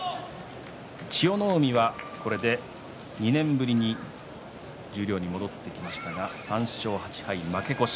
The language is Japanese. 千代の海はこれで２年ぶりに十両に戻ってきましたが３勝８敗と負け越し